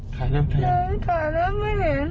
ถ่ายหน้าเข้าไปเห็นถ่ายหน้าไม่เห็น